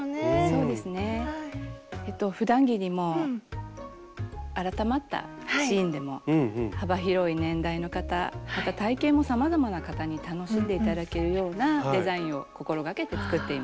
そうですねふだん着にも改まったシーンでも幅広い年代の方また体型もさまざまな方に楽しんで頂けるようなデザインを心がけて作っています。